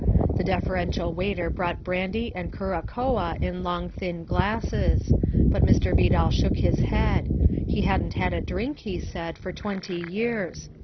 The deferential waiter brought brandy and curacoa in long thin glasses. But Mr. Vidal shook his head. He hadn't had a drink, he said, for twenty years.